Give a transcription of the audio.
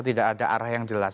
tidak ada arah yang jelas